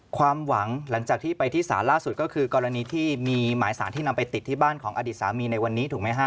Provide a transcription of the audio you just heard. ความหวังหลังจากที่ไปที่ศาลล่าสุดก็คือกรณีที่มีหมายสารที่นำไปติดที่บ้านของอดีตสามีในวันนี้ถูกไหมฮะ